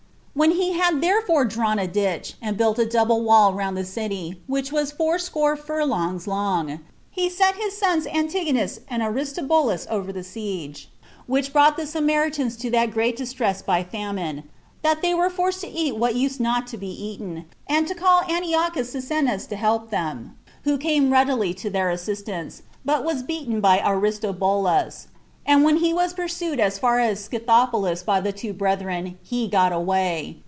When he had therefore drawn a ditch, and built a double wall round the city, which was fourscore furlongs long, he set his sons Antigonus and Arisrobulna over the siege; which brought the Samaritans to that great distress by famine, that they were forced to eat what used not to be eaten, and to call for Antiochus Cyzicenus to help them, who came readily to their assistance, but was beaten by Aristobulus; and when he was pursued as far as Scythopolis by the two brethren, he got away.